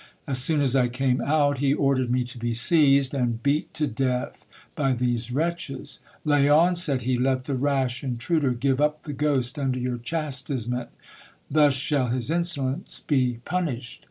As soon as I came out, he ordered me to be seized, and beat to death by these wretches. Lay on, said he, let the rash intruder give up the ghost under your chastisement ; thus shall his insolence be punished.